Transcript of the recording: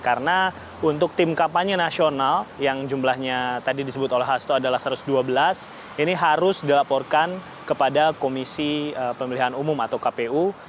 karena untuk tim kampanye nasional yang jumlahnya tadi disebut oleh hasto adalah satu ratus dua belas ini harus dilaporkan kepada komisi pemilihan umum atau kpu